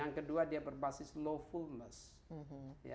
yang kedua dia berbasis knowfulness